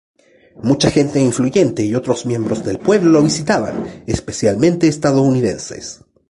Mucha gente influyente y otros miembros del pueblo lo visitaban, especialmente estadounidenses.